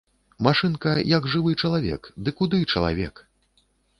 Машынка, як жывы чалавек, ды куды чалавек!